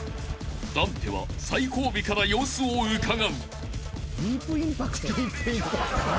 ［ダンテは最後尾から様子をうかがう］なあ？